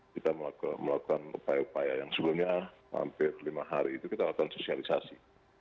kita melakukan upaya upaya yang sebelumnya hampir lima hari itu kita lakukan sosialisasi